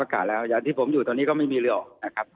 อากาศแล้วอย่างที่ผมอยู่ตอนนี้ก็ไม่มีเรือออกนะครับ